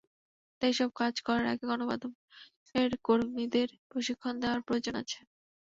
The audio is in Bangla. তাই এসব কাজ করার আগে গণমাধ্যমের কর্মীদের প্রশিক্ষণ দেওয়ার প্রয়োজন আছে।